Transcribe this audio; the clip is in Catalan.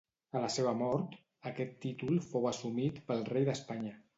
A la seva mort, aquest títol fou assumit pel rei d'Espanya.